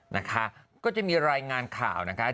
นะคะก็จะมีรายงานข่าวนะคะ